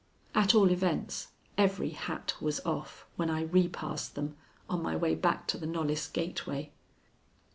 At all events, every hat was off when I repassed them on my way back to the Knollys gateway.